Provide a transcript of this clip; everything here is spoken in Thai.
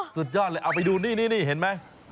สุดยอดเลยเอาไปดูนี่เห็นไหม